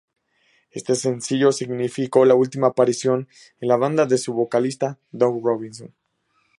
Éste sencillo significó la última aparición en la banda de su vocalista, Dawn Robinson.